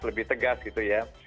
lebih tegas gitu ya